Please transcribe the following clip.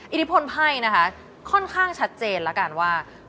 อิทธิพลไพ่นะคะค่อนข้างชัดเจนแล้วกันว่า